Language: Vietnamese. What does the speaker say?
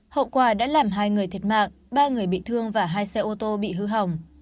hậu quả đã làm hai người thiệt mạng ba người bị thương và hai xe ô tô bị hư hỏng